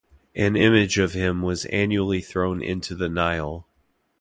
An image of him was annually thrown into the Nile.